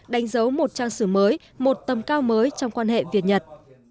đánh dấu một trang sử mới một tầm cao mới trong quan hệ việt nhật